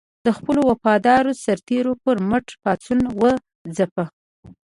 د خپلو وفادارو سرتېرو پر مټ پاڅون وځپه.